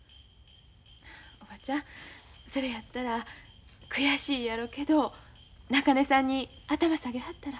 おばちゃんそれやったら悔しいやろけど中根さんに頭下げはったら？